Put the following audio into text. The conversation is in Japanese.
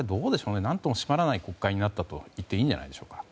何とも締まらない国会になったといっていいんじゃないでしょうか。